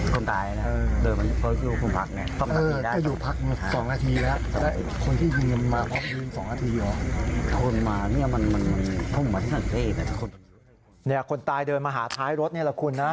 คนตายเดินมาหาท้ายรถนี่แหละคุณนะ